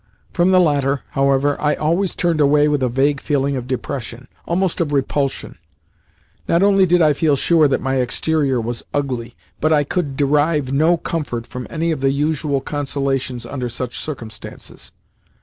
From the latter, however, I always turned away with a vague feeling of depression, almost of repulsion. Not only did I feel sure that my exterior was ugly, but I could derive no comfort from any of the usual consolations under such circumstances.